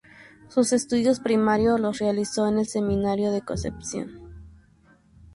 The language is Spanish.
Sus estudios primarios los realizó en el Seminario de Concepción.